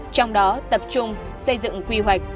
trong đó tập trung xây dựng quy hoạch